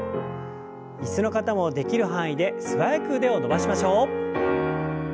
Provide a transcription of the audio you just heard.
椅子の方もできる範囲で素早く腕を伸ばしましょう。